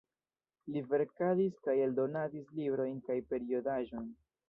Li verkadis kaj eldonadis librojn kaj periodaĵojn.